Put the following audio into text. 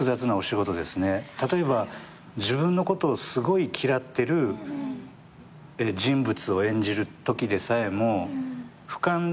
例えば自分のことをすごい嫌ってる人物を演じるときでさえも俯瞰で吉岡さん